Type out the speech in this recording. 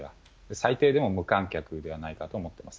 最低でも無観客ではないかと思っています。